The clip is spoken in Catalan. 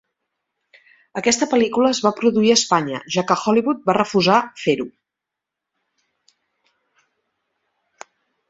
Aquesta pel·lícula es va produir a Espanya, ja que Hollywood va refusar fer-ho.